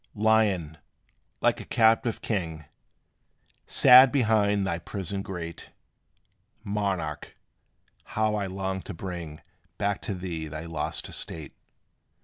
Lion, like a captive king, Sad behind thy prison grate, Monarch, how I long to bring Back to thee thy lost estate!